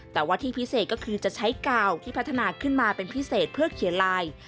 แต่ว่าที่พิเศษก็คือจะใช้กาวที่พัฒนาขึ้นมาเป็นพิเศษเพื่อเขียนลาย